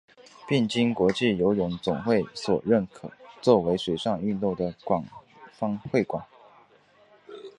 并经国际游泳总会所认可作为水上运动的官方会馆。